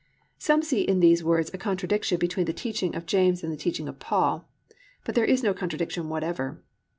"+ Some see in these words a contradiction between the teaching of James and the teaching of Paul, but there is no contradiction whatever.